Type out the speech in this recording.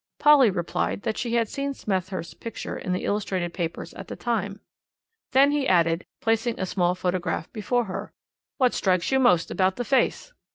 Polly replied that she had seen Smethurst's picture in the illustrated papers at the time. Then he added, placing a small photograph before her: "What strikes you most about the face?"